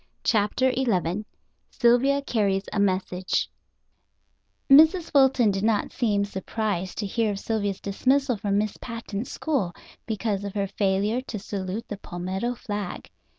CHAPTER XI SYLVIA CARRIES A MESSAGE Mrs. Fulton did not seem surprised to hear of Sylvia's dismissal from Miss Patten's school because of her failure to salute the palmetto flag.